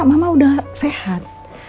mama udah sehat